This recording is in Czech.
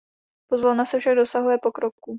Pozvolna se však dosahuje pokroku.